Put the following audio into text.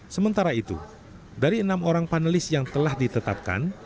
sementara itu dari enam orang panelis yang telah ditetapkan